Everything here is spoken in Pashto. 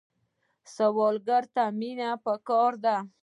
سوالګر ته مینه پکار ده